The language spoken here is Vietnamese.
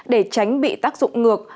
để tránh bị tác dụng ngược